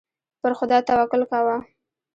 پر خدای توکل کوه.